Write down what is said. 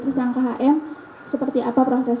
tersangka hm seperti apa proses